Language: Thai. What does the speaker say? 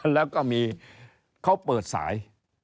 แล้วก็มีเขาเปิดสาย